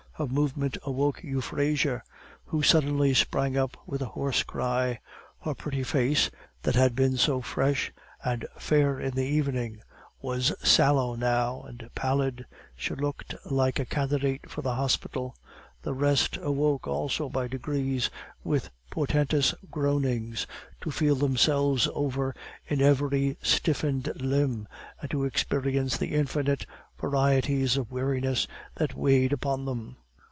Her movement awoke Euphrasia, who suddenly sprang up with a hoarse cry; her pretty face, that had been so fresh and fair in the evening, was sallow now and pallid; she looked like a candidate for the hospital. The rest awoke also by degrees, with portentous groanings, to feel themselves over in every stiffened limb, and to experience the infinite varieties of weariness that weighed upon them.